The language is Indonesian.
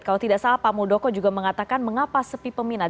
kalau tidak salah pak muldoko juga mengatakan mengapa sepi peminat